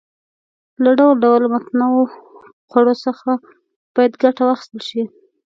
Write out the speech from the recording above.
له ډول ډول او متنوعو خوړو څخه باید ګټه واخیستل شي.